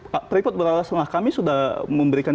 pak pripot berharap setelah kami sudah memberikan